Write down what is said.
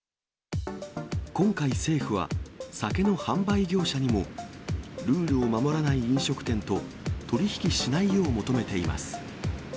今回政府は、酒の販売業者にもルールを守らない飲食店と取り引きしないよう求めています。